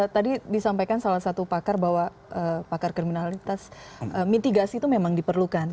tadi disampaikan salah satu pakar bahwa pakar kriminalitas mitigasi itu memang diperlukan